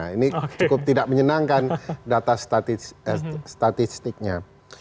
ini cukup tidak menyenangkan data statistiknya